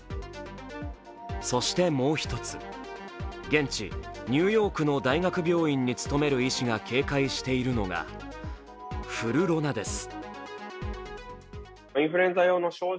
そしてもう１つ、現地、ニューヨークの大学病院に勤める医師が警戒しているのがフルロナです。